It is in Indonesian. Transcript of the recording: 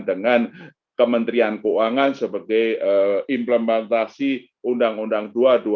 dengan kementrian keuangan sebagai implementasi undang undang dua ribu dua puluh